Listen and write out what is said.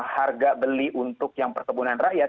harga beli untuk yang perkebunan rakyat